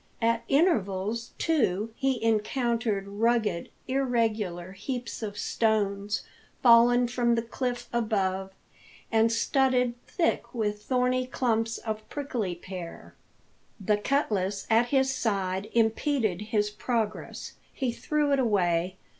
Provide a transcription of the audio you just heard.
At intervals, too, he encountered rugged, irregular heaps of stones, fallen from the cliff above, and studded thick with thorny clumps of prickly pear. The cutlass at his side impeded his progress. He threw it away.